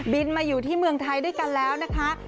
มาอยู่ที่เมืองไทยด้วยกันแล้วนะคะ